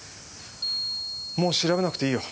もう調べなくていいよ。